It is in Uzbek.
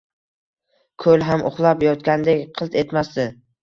Koʼl ham uxlab yotgandek qilt etmasdi.